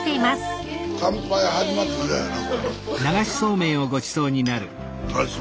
「乾杯」始まって以来やな。